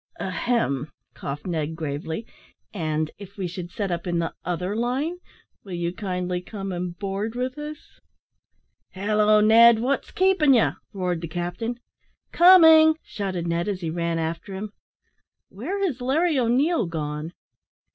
"Ahem!" coughed Ned gravely, "and if we should set up in the other line, will you kindly come and board with us?" "Hallo, Ned, what's keeping you?" roared the captain. "Coming," shouted Ned, as he ran after him. "Where has Larry O'Neil gone?"